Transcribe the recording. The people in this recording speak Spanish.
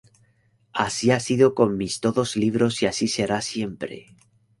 Así ha sido con mis todos libros y así será siempre".